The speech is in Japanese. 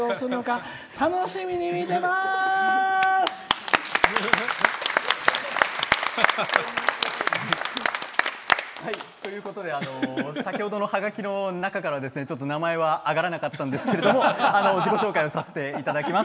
当日、誰が登場するのか楽しみに見てます！」。ということで先ほどのハガキの中からちょっと名前は挙がらなかったんですけども自己紹介をさせていただきます。